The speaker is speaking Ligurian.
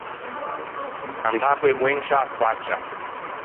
Andâ co-e moen in sciâ faccia.